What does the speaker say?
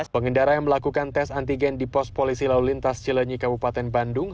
pengendara yang melakukan tes antigen di pos polisi lalu lintas cilenyi kabupaten bandung